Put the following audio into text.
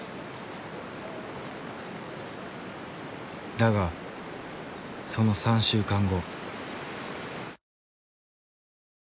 だがその３週間後。